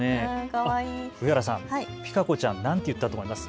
上原さん、ピカ子ちゃん何といったと思います。